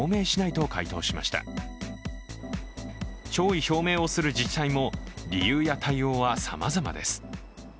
弔意表明をする自治体も理由や対応はさまざまです。